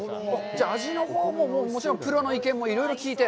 じゃあ味のほうも、もちろんプロの意見もいろいろ聞いて。